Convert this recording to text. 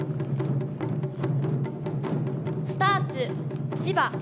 スターツ、千葉。